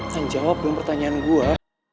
lan jawab dong pertanyaan gue